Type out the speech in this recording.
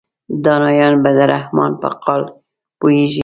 دانایان به د رحمان په قال پوهیږي.